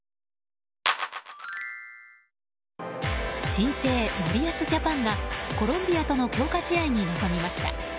新生森保ジャパンがコロンビアとの強化試合に臨みました。